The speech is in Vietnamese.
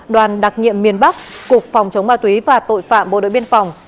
đoàn đặc nhiệm miền bắc cục phòng chống ma túy và tội phạm bộ đội biên phòng